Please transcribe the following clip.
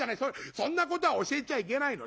そんなことは教えちゃいけないの。